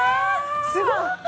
すごい。